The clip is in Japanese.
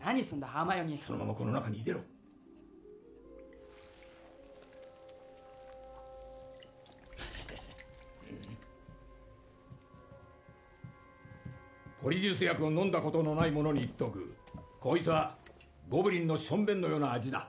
ハーマイオニーそのままこの中に入れろヘヘヘポリジュース薬を飲んだことのない者に言っておくこいつはゴブリンの小便のような味だ